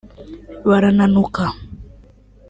barananuka